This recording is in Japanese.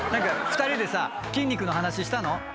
２人でさ筋肉の話したの？